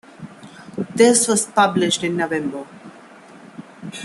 This was published in November.